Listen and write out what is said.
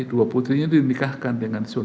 dua putrinya dinikahkan dengan